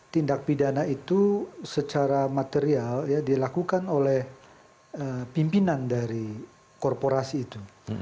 tindak pidana itu secara material dilakukan oleh pimpinan dari korporasi itu